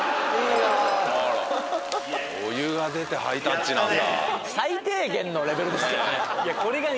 お湯が出てハイタッチなんだ。